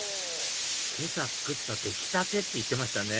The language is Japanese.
今朝作った出来たてって言ってましたね